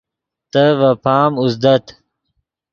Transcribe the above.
تے ڤے پام اوزدت